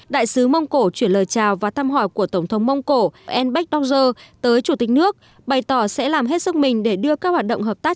đại sứ mông cổ truyền lời chào và thăm hỏi của tổng thống mông cổ elbeck dorzer tới chủ tịch nước bày tỏ sẽ làm hết sức mình để đưa các hoạt động hợp tác